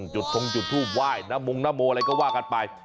จุดจุดทูบไหว้นะมุงนะโมอะไรก็ว่ากันไป